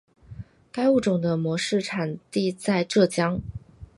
该物种的模式产地在浙江。